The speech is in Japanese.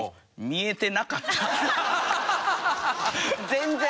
見えてなかったんだ。